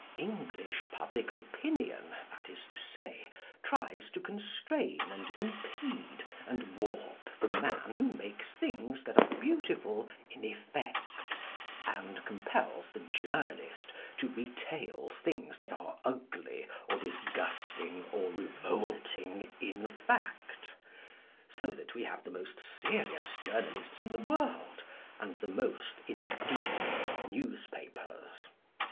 English public opinion, that is to say, tries to constrain and impede and warp the man who makes things that are beautiful in effect, and compels the journalist to retail things that are ugly, or disgusting, or revolting in fact, so that we have the most serious journalists in the world, and the most indecent newspapers.